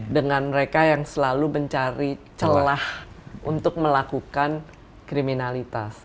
dengan mereka yang selalu mencari celah untuk melakukan kriminalitas